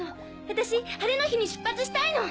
私晴れの日に出発したいの。